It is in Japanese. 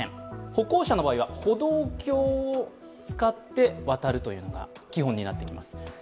歩行者の場合は、歩道橋を使って渡るのが基本になってきます。